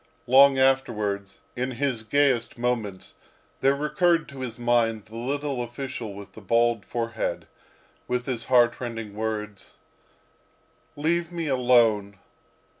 Long afterwards, in his gayest moments, there recurred to his mind the little official with the bald forehead, with his heart rending words, "Leave me alone!